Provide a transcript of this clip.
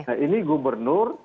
nah ini gubernur